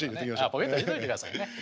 ポケットに入れといてくださいね。